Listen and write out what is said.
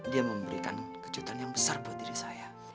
dia memberikan kejutan yang besar buat diri saya